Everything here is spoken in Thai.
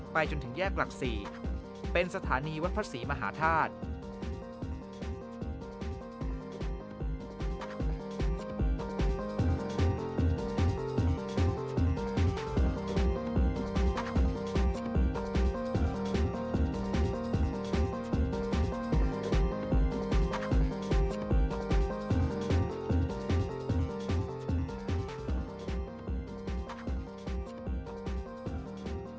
จนถึงแยกหลัก๔เป็นสถานีวัดพระศรีมหาธาตุ